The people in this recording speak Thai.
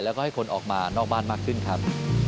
แล้วก็ให้คนออกมานอกบ้านมากขึ้นครับ